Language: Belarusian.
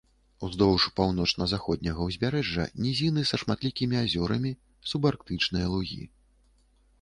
Уздоўж паўночна-заходняга ўзбярэжжа нізіны са шматлікімі азёрамі, субарктычныя лугі.